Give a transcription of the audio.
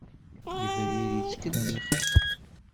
Yebrir yettkellix!